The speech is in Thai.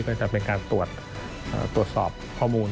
ก็จะเป็นการตรวจสอบข้อมูล